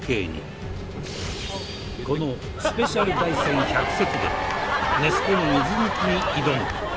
このスペシャル台船１００隻でネス湖の水抜きに挑む！